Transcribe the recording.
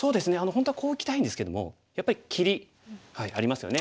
本当はこういきたいんですけどもやっぱり切りありますよね。